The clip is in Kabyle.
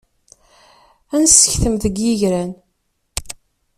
Ad nessektem deg yigran.